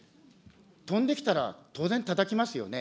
飛んできたら、当然たたきますよね。